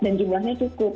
dan jumlahnya cukup